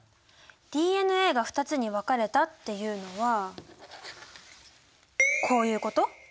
ＤＮＡが２つに分かれたっていうのはこういうこと？